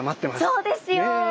そうですよ！